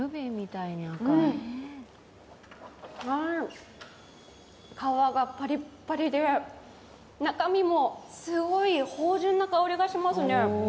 うん、皮がパリッパリで中身もすごく芳じゅんな香りがしますね。